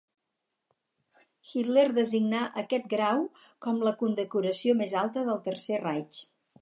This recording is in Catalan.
Hitler designà aquest grau com la condecoració més alta del Tercer Reich.